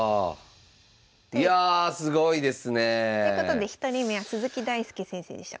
いやすごいですね。ということで１人目は鈴木大介先生でした。